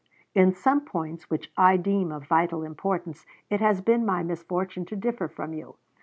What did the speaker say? In some points which I deem of vital importance, it has been my misfortune to differ from you.